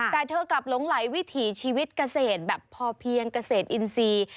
แต่เธอกลับหลงไหลวิถีชีวิตเกษตรแบบพอเพียงเกษตรอินทรีย์